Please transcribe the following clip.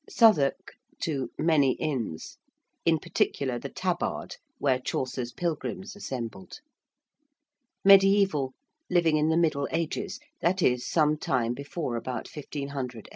~Southwark ... many Inns~: in particular the Tabard, where Chaucer's pilgrims assembled. ~mediæval~: living in the middle ages, that is, some time before about 1500 A.D.